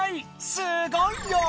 すごいよ！